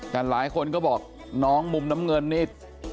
แต่หลายคนก็บอกน้องมุมน้ำเงินนี่